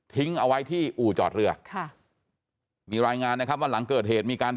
ทิ้งเอาไว้ที่อู่จอดเรือมีรายงานวันหลังเกิดเหตุมีการ